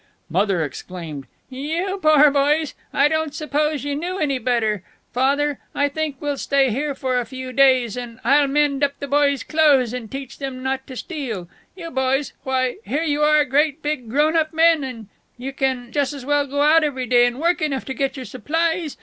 Mother exclaimed: "You poor boys, I don't suppose you know any better. Father, I think we'll stay here for a few days, and I'll mend up the boys' clothes and teach them not to steal.... You boys why, here you are great big grown up men, and you can jus' as well go out every day and work enough to get your supplies.